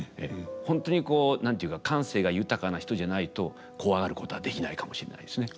本当にこう何て言うか感性が豊かな人じゃないとコワがることはできないかもしれないですね。